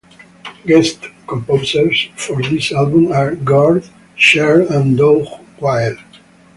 Guest composers for this album are Gord Sheard and Doug Wilde.